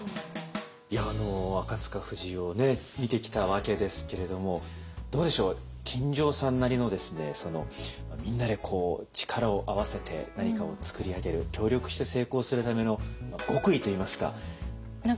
いやあの赤不二夫を見てきたわけですけれどもどうでしょう金城さんなりのみんなでこう力を合わせて何かを作り上げる協力して成功するための極意といいますか。